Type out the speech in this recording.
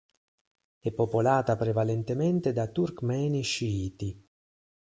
È popolata prevalentemente da Turkmeni sciiti.